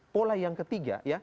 pola yang ketiga ya